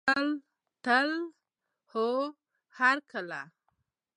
تل او هرکله.